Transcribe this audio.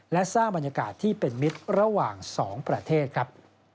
และสร้างบรรยากาศที่เป็นมิตรระหว่าง๒ประเทศครับ